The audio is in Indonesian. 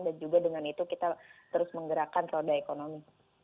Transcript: dan juga dengan itu kita terus menggerakkan seluruh daerah ekonomi